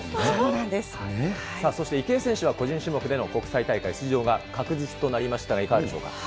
そして池江選手は個人種目での国際大会出場が確実となりましたが、いかがでしょうか。